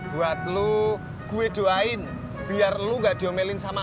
buat lo gue doain biar lo ga diomelin sama emak